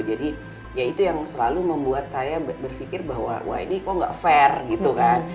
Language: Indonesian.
jadi ya itu yang selalu membuat saya berpikir bahwa wah ini kok gak fair gitu kan